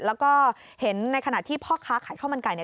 แล้วก็เห็นในขณะที่พ่อค้าขายข้าวมันไก่